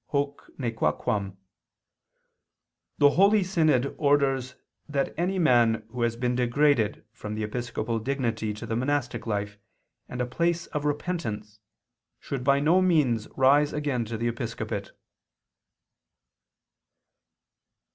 Hoc nequaquam): "The holy synod orders that any man who has been degraded from the episcopal dignity to the monastic life and a place of repentance, should by no means rise again to the episcopate."